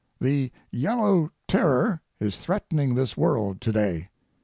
The Yellow Terror is threatening this world to day.